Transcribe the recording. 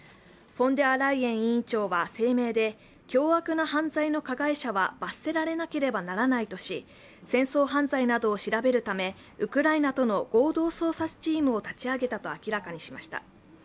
フォンデアライエン委員長は、声明で、凶悪な犯罪の加害者は罰せなければならないとし、戦争犯罪などを調べるためウクライナとの合同捜査チームを立ち上げたと明らかにしました。